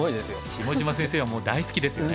下島先生はもう大好きですよね。